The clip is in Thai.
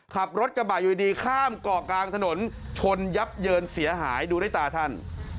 ขับรถกระบะอยู่ดีข้ามเกาะกลางถนนชนยับเยินเสียหายดูด้วยตาท่าน